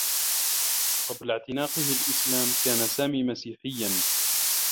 قبل اعتناقه الإسلام، كان سامي مسيحيّا.